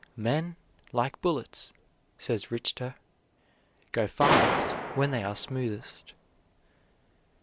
"Men, like bullets," says Richter, "go farthest when they are smoothest."